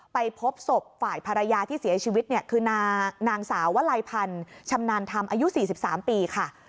ไปพบศพฝ่ายภรรยาที่เสียชีวิตเนี่ยคือนางสาววลัยพันธ์ชำนาญธรรมอายุ๔๓ปีค่ะ